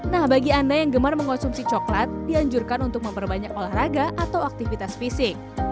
nah bagi anda yang gemar mengonsumsi coklat dianjurkan untuk memperbanyak olahraga atau aktivitas fisik